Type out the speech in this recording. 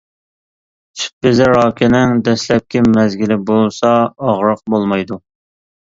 سۈت بېزى راكىنىڭ دەسلەپكى مەزگىلى بولسا ئاغرىق بولمايدۇ.